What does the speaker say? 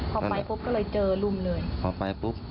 พอไปปุ๊บก็เลยเจอลุมเลยพอไปปุ๊บ